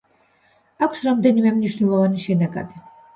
აქვს რამდენიმე მნიშვნელოვანი შენაკადი.